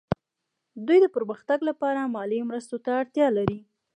دوی د پرمختګ لپاره مالي مرستو ته اړتیا لري